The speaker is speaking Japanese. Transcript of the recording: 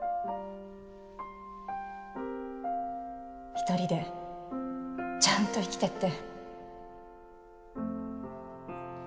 １人でちゃんと生きていって。